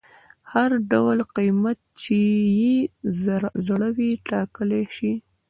هغه هر ډول قیمت چې یې زړه وي ټاکلی شي.